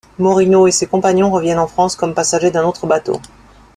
Morineau et ses compagnons reviennent en France comme passagers d'un autre bateau.